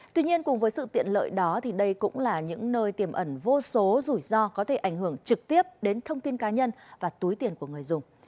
tuy nhiên cùng với sự tiện lợi đó đây cũng là những nơi tiềm ẩn vô số rủi ro có thể ảnh hưởng trực tiếp đến thông tin cá nhân và túi tiền của người dùng